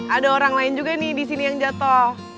ada orang lain juga nih disini yang jatuh